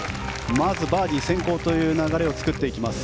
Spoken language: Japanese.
バーディー先行という流れを作っていきます。